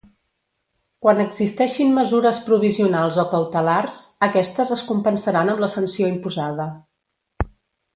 Quan existeixin mesures provisionals o cautelars, aquestes es compensaran amb la sanció imposada.